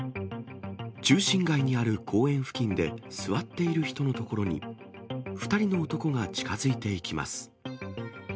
中心街にある公園付近で座っている人の所に、２人の男が近づいていきます。